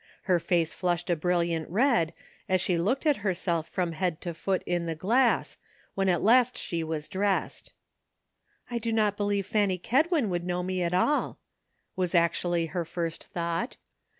Her face flushed a brilliant red, as she looked at herself from head to foot in the glass, when at last she was dressed. " I do not believe Fanny Kedwin would know me at all," was actually her first thought.